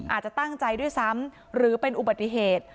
อาจจะตั้งใจด้วยซ้ำหรือเป็นอุบัติเหตุ